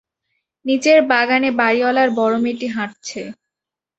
নিচের বাগানে বাড়িঅলার বড় মেয়েটি হাঁটছে।